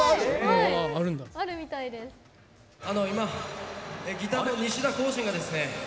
あの今、ギターの西田光真がですね